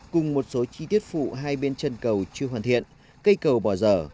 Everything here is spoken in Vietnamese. cùng một số chi tiết phụ hai bên chân cầu chưa hoàn thiện cây cầu bỏ dở